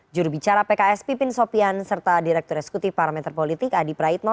jurubicara pks pipin sopian serta direktur eksekutif parameter politik adi praitno